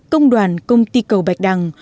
công đoàn công ty cầu bạch đằng